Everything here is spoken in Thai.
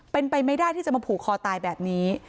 เป็นไปไม่ได้ที่จะมาผูกคอตายแบบนี้